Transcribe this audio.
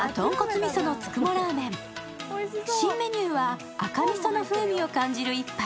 新メニューは赤みその風味を感じられる一杯。